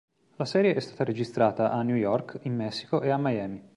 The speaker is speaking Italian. La serie è stata registrata a New York, in Messico e a Miami.